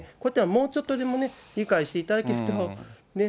もうちょっとでもね、理解していただくとね。